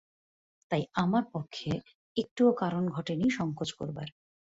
তাই আমার পক্ষে একটুও কারণ ঘটে-নি সংকোচ করবার।